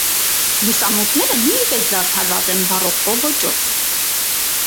Լուսամուտները նույնպես զարդարված են բարոկկո ոճով։